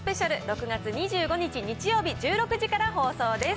６月２５日日曜日１６時から放送です。